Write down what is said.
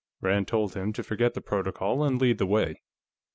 Rand told him to forget the protocol and lead the way.